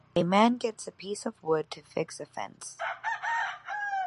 A man gets a piece of wood to fix a fence.